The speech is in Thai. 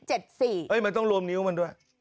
มันต้องรวมนิ้วมันด้วย